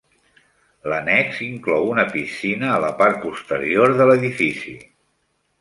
L'annex inclou una piscina a la part posterior de l'edifici.